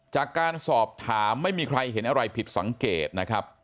จากการสอบถามไม่มีใครเห็นอะไรผิดสังเกตนะครับ